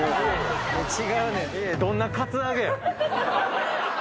違うねん。